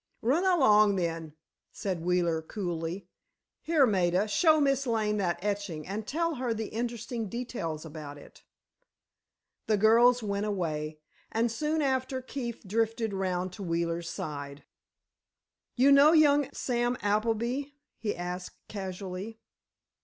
"Run along, then," said Wheeler, coolly. "Here, Maida, show Miss Lane that etching and tell her the interesting details about it." The girls went away, and soon after Keefe drifted round to Wheeler's side. "You know young Sam Appleby?" he asked, casually.